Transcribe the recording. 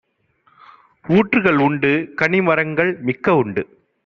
ஊற்றுக்கள் உண்டு; கனிமரங்கள் மிக்கஉண்டு;